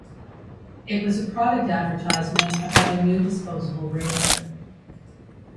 It was a product advertisement about a new disposable razor.